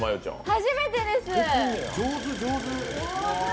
初めてです！